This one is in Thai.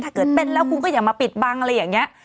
ถ้าเกิดเป็นแล้วคุณก็อย่ามาปิดบังอะไรอย่างนี้